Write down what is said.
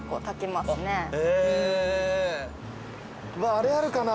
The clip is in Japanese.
あれあるかな？